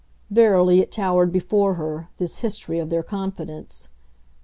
Verily it towered before her, this history of their confidence.